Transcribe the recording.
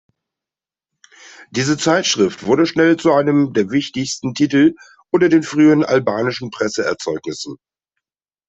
Diese Zeitschrift wurde schnell zu einem der wichtigsten Titel unter den frühen albanischen Presseerzeugnissen.